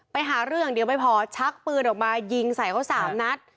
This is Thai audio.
ไปหาเรื่องอย่างเดียวไม่พอชักปืนออกมายิงใส่เขา๓นัด